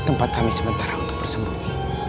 tempat kami sementara untuk bersembunyi